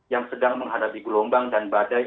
yang sedang menghadapi gelombang dan badai